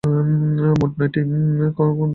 মোট নয়টি কন্দ আকৃতির গম্বুজ রয়েছে।